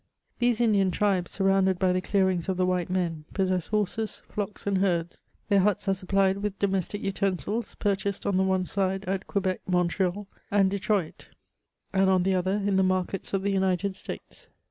These Indian tribes, sur rounded by the clearings of the white men, possess horses, flodcs and herds, their huts are supplied with domestic utensils, pur chased on the one side at Quebec, Montreal, and Detroit, and on the other in the markets of the United States.